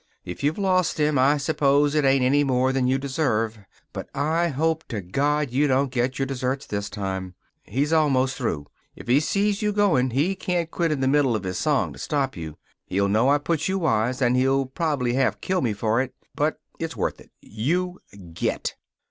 If you've lost him I suppose it ain't any more than you deserve; but I hope to God you don't get your deserts this time. He's almost through. If he sees you going he can't quit in the middle of his song to stop you. He'll know I put you wise, and he'll prob'ly half kill me for it. But it's worth it. You get."